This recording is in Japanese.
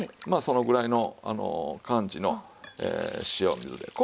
まあそのぐらいの感じの塩水で。